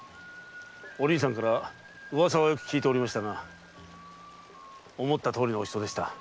お凛さんから噂はよく聞いておりましたが思ったとおりのお人でした。